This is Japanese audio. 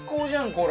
これ。